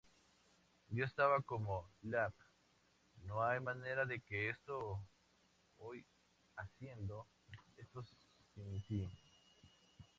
Yo estaba como, 'Lab, no hay manera de que estoy haciendo esto sin ti.